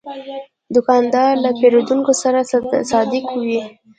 دوکاندار له پیرودونکو سره صادق وي.